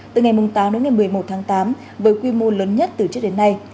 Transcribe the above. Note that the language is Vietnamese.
từ ngày tám đến ngày một mươi một tháng tám với quy mô lớn nhất từ trước đến nay